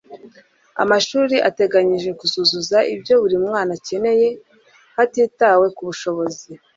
amashuri ateganijwe kuzuza ibyo buri mwana akeneye, hatitawe kubushobozi